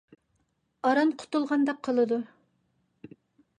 ئاران قۇتۇلغاندەك قىلىدۇ.